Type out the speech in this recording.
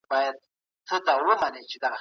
حضرت علي کرم الله وجهه يو کس ته ميلمستيا وکړه.